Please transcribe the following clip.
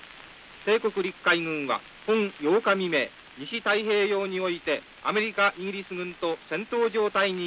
帝国陸海軍は本８日未明西太平洋においてアメリカイギリス軍と戦闘状態に入れり」。